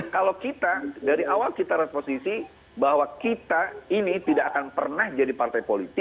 kalau kita dari awal kita reposisi bahwa kita ini tidak akan pernah jadi partai politik